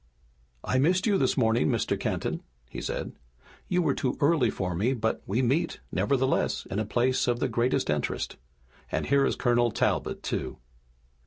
"I missed you this morning, Mr. Kenton," he said. "You were too early for me, but we meet, nevertheless, in a place of the greatest interest. And here is Colonel Talbot, too!"